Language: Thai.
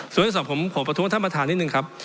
สถานกฐานของผมขอประทุกรณ์ท่านประธานนิดนึง